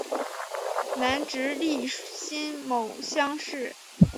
南直隶辛卯乡试。